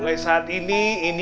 nah ini tempat tidur kamu